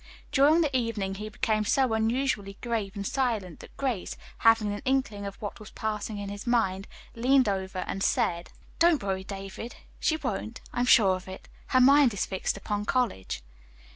During the evening he became so unusually grave and silent that Grace, having an inkling of what was passing in his mind, leaned over and said: "Don't worry, David, she won't. I am sure of it. Her mind is fixed upon college."